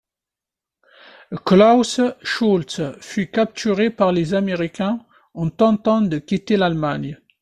Klaus Scholtz fut capturé par les américains, en tentant de quitter l'Allemagne.